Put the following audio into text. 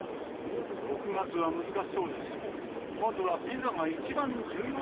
６月は難しそうです。